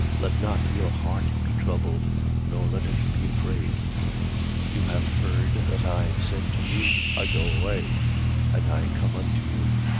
Let not your heart be troubled: nor let it be afraid. 14:28. You have heard that I said to you: I go away, and I come unto you.